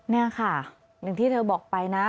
นี่ค่ะอย่างที่เธอบอกไปนะ